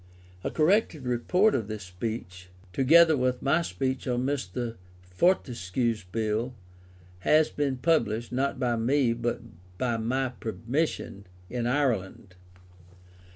A corrected report of this speech, together with my speech on Mr. Fortescue's Bill, has been published (not by me, but with my permission) in Ireland.